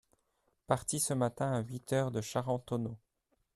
Parti ce matin à huit heures de Charentonneau…